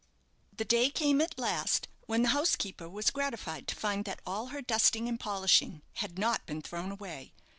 The day came at last when the housekeeper was gratified to find that all her dusting and polishing had not been thrown away.